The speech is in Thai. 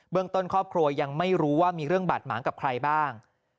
ต้นครอบครัวยังไม่รู้ว่ามีเรื่องบาดหมางกับใครบ้าง